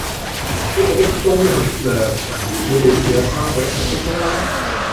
一個壁咚一份力量，你哋試吓三個一齊壁咚啦